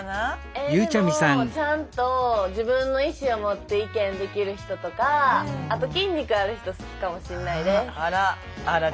えっでもちゃんと自分の意思を持って意見できる人とかあと筋肉ある人好きかもしんないです。